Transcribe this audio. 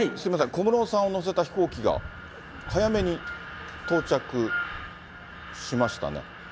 小室さんを乗せた飛行機が、早めに到着しましたね。